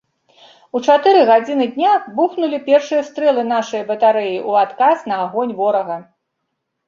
У чатыры гадзіны дня бухнулі першыя стрэлы нашае батарэі ў адказ на агонь ворага.